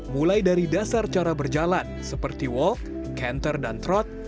mulai dari dasar cara berjalan seperti walk canter dan trot